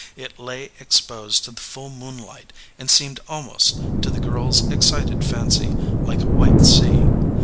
It lay exposed to the full moonlight and seemed almost, to the girl s excited fancy, like a white sea.